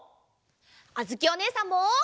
あづきおねえさんも。